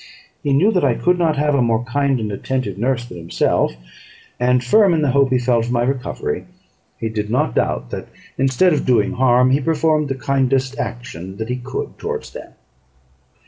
He knew that I could not have a more kind and attentive nurse than himself; and, firm in the hope he felt of my recovery, he did not doubt that, instead of doing harm, he performed the kindest action that he could towards them.